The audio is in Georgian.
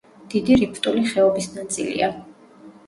დიდი რიფტული ხეობის ნაწილია.